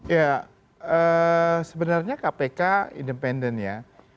ya sebenarnya kpk independen ya